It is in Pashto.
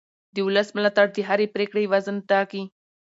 د ولس ملاتړ د هرې پرېکړې وزن ټاکي